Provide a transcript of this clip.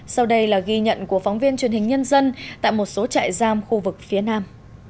sau đây là ghi nhận của phóng viên truyền hình nhân dân tại một số trại giam khu vực phía nam